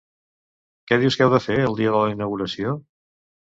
Què dius que heu de fer, el dia de la inauguració?